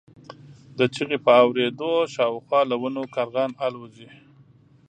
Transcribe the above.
د چیغې په اورېدو شاوخوا له ونو کارغان الوځي.